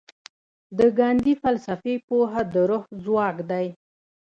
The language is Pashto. د ګاندي فلسفي پوهه د روح ځواک دی.